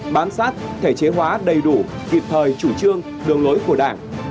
bám sát thể chế hóa đầy đủ kịp thời chủ trương đường lối của đảng